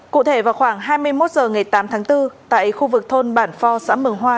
cụ thể vào khoảng hai mươi một h ngày tám tháng bốn tại khu vực thôn bản pho xã mường hoa